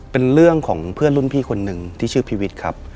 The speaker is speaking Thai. เป็นเรื่องของเพื่อนรุ่นพี่คนหนึ่งที่ชื่อพีวิทย์ครับ